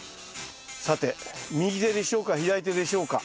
さて右手でしょうか？